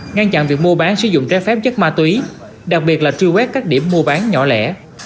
ngăn chặn việc mua bán sử dụng trái phép chất ma túy đặc biệt là truy quét các điểm mua bán nhỏ lẻ